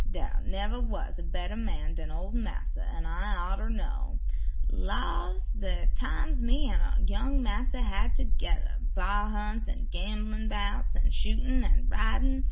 "Dar neber was a better man den ol' massa, an' I orter know. Lawse, de times me an' young massa had t'gedder, bar hunts, an' gamblin' 'bouts, an' shootin' and ridin'.